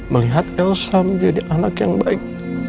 melihat elsa menjadi anak yang baik